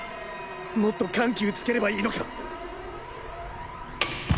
もっと緩急つければいいのか？